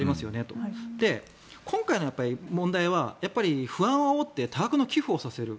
それで、今回の問題は不安をあおって多額の寄付をさせる。